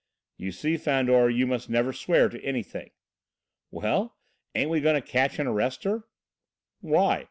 "You see, Fandor, you must never swear to anything." "Well, ain't we going to catch and arrest her?" "Why?